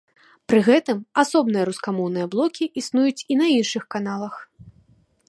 Пры гэтым асобныя рускамоўныя блокі існуюць і на іншых каналах.